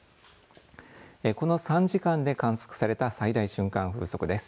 この３時間で観測された最大瞬間風速です。